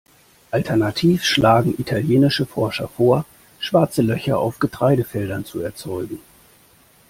Alternativ schlagen italienische Forscher vor, Schwarze Löcher auf Getreidefeldern zu erzeugen.